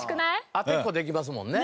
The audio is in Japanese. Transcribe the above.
当てっこできますもんね。